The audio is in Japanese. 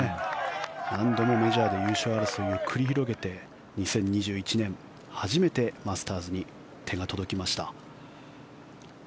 何度もメジャーで優勝争いを繰り広げて２０２１年、初めてマスターズに手が届きました。